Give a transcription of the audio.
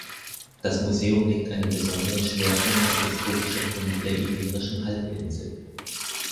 Das Museum legt einen besonderen Schwerpunkt auf historische Funde der Iberischen Halbinsel.